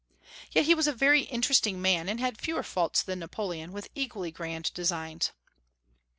Yet he was a very interesting man, and had fewer faults than Napoleon, with equally grand designs.